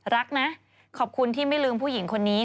รักนะขอบคุณที่ไม่ลืมผู้หญิงคนนี้